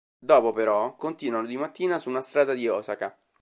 Dopo, però, continuano di mattina su una strada di Osaka.